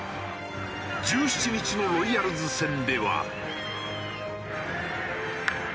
１７日のロイヤルズ戦では。